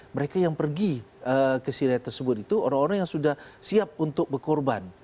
mereka yang pergi ke syria tersebut itu orang orang yang sudah siap untuk berkorban